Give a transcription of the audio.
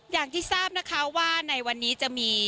อย่างที่ทราบนะคะว่าในวันนี้จะมี